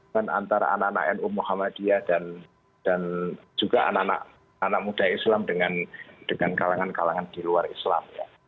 dan antara anak anak nu muhammadiyah dan juga anak anak muda islam dengan kalangan kalangan di luar islam ya